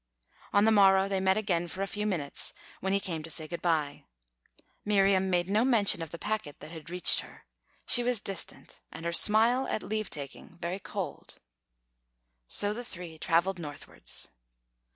On the morrow they met again for a few minutes, when he came to say good bye. Miriam made no mention of the packet that had reached her. She was distant, and her smile at leave taking very cold. So the three travelled northwards.